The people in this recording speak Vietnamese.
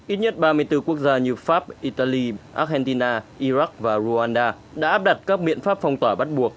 ít nhất ba mươi bốn quốc gia như pháp italy argentina iraq và rwanda đã áp đặt các biện pháp phong tỏa bắt buộc